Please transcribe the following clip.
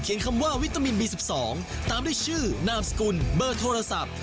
คำว่าวิตามินบี๑๒ตามด้วยชื่อนามสกุลเบอร์โทรศัพท์